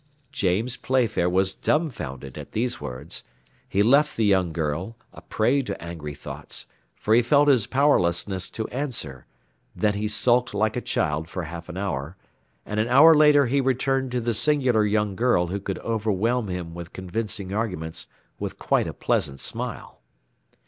James Playfair was dumfounded at these words; he left the young girl, a prey to angry thoughts, for he felt his powerlessness to answer; then he sulked like a child for half an hour, and an hour later he returned to the singular young girl who could overwhelm him with convincing arguments with quite a pleasant smile.